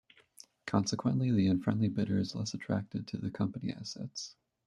Consequently, the unfriendly bidder is less attracted to the company assets.